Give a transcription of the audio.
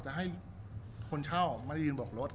ให้คนเข้าจะมาอยู่ดีกว่าบล็อครถ